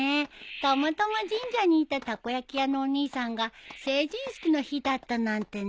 たまたま神社にいたたこ焼き屋のお兄さんが成人式の日だったなんてね。